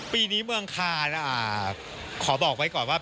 ปีนี้เมืองคานขอบอกไว้ก่อนว่า